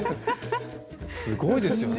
すごいですよね。